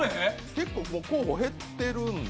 結構、候補、減ってるんで。